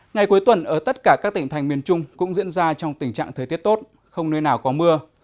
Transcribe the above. ngày cuối tuần ở tất cả các tỉnh thành miền trung cũng diễn ra trong tình trạng thời tiết tốt không nơi nào có mưa